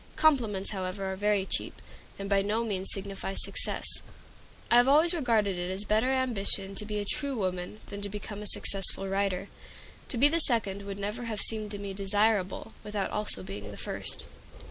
Compliments, however, are very cheap, and by no means signify success. I have always regarded it as a better ambition to be a true woman than to become a successful writer. To be the second would never have seemed to me desirable, without also being the first.